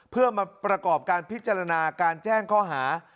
เพื่อมาประกอบการพิจารณาการแจ้งข้อหา